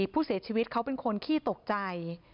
ผู้เสียชีวิตเขาเป็นคนขี้ตกใจ